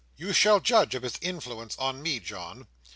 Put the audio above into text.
You shall judge of its influence on me, John.